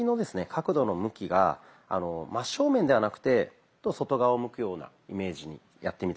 角度の向きが真正面ではなくて外側を向くようなイメージにやってみて下さい。